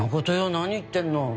何言ってんの。